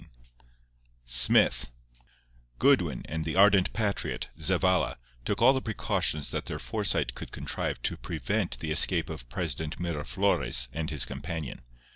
III SMITH Goodwin and the ardent patriot, Zavalla, took all the precautions that their foresight could contrive to prevent the escape of President Miraflores and his companion.